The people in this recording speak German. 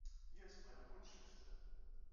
Hier ist meine Wunschliste.